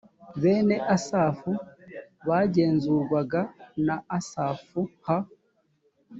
bene asafu bagenzurwaga na asafu h